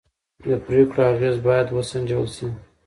د پرېکړو اغېز باید سنجول شي